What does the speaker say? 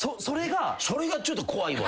それがちょっと怖いわ。